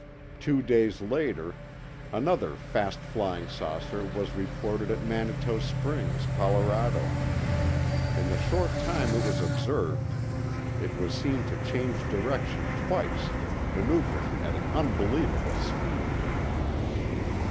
Two days later, another fast flying saucer was reported at Manitou Springs, Colorado. In the short time it was observed, it was seen to change direction twice, maneuvering at an unbelievable speed.